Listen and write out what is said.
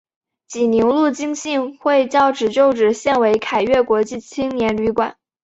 济宁路浸信会教堂旧址现为凯越国际青年旅馆。